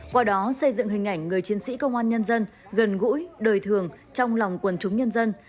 qua đó xây dựng hình ảnh người chiến sĩ công an nhân dân gần gũi đời thường trong lòng quần chúng nhân dân